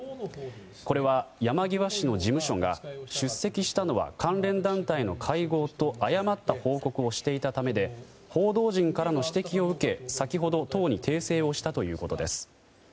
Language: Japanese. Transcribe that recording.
これは山際氏の事務所が出席したのは関連団体の会合と誤った報告をしていたためで報道陣からの指摘を受け先ほど、党に訂正をしたということです。